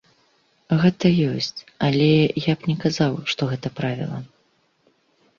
Гэта ёсць, але я б не казаў, што гэта правіла.